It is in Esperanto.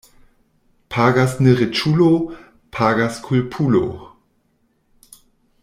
Pagas ne riĉulo, pagas kulpulo.